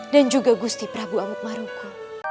dan juga gusti prabu amuk maruku